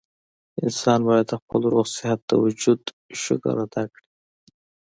انسان بايد د خپل روغ صحت د وجود شکر ادا کړي